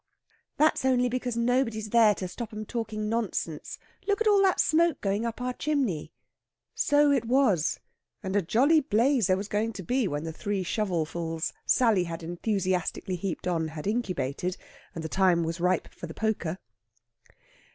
"That's only because nobody's there to stop 'em talking nonsense. Look at all that smoke going up our chimney." So it was, and a jolly blaze there was going to be when the three shovelfuls Sally had enthusiastically heaped on had incubated, and the time was ripe for the poker.